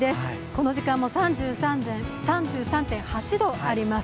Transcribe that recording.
この時間も３３．８度あります。